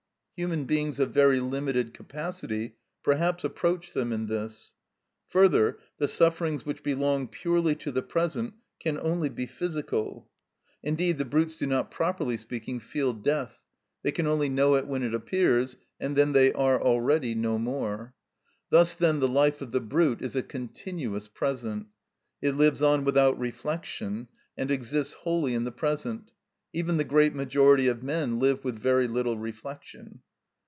Human beings of very limited capacity perhaps approach them in this. Further, the sufferings which belong purely to the present can only be physical. Indeed the brutes do not properly speaking feel death: they can only know it when it appears, and then they are already no more. Thus then the life of the brute is a continuous present. It lives on without reflection, and exists wholly in the present; even the great majority of men live with very little reflection.